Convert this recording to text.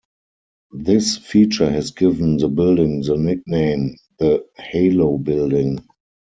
This feature has given the building the nickname the "Halo Building".